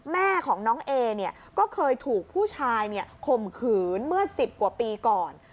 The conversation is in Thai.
แม่ของน้องเอเนี่ยก็เคยถูกผู้ชายข่มขืนเมื่อ๑๐กว่าปีก่อน